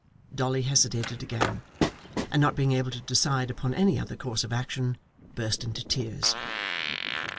Dolly hesitated again, and not being able to decide upon any other course of action, burst into tears.